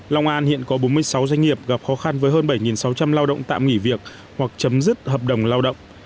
long an hiện có bốn mươi sáu doanh nghiệp gặp khó khăn với hơn bảy sáu trăm linh lao động tạm nghỉ việc hoặc chấm dứt hợp đồng lao động